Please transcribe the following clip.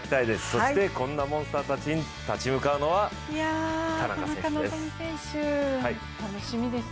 そしてこんなモンスターたちに立ち向かうのは田中選手です。